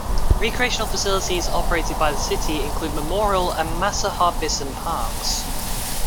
Recreational facilities operated by the city include Memorial and Masa Harbison parks.